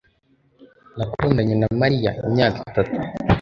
Nakundanye na Mariya imyaka itatu